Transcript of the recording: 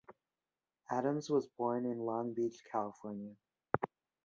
Adams was born in Long Beach, California.